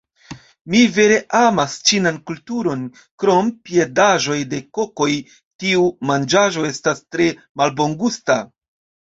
Mi vere amas ĉinan kulturon krom piedaĵoj de kokoj tiu manĝaĵo estas tre malbongusta